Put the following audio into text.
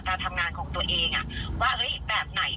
เราก็ไม่อยากทำอะไรที่เป็น๑ผิดกฎหมาย